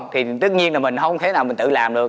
thì tất nhiên là mình không thể nào mình tự làm được